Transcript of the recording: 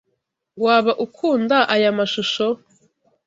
Waba ukunda aya mashusho?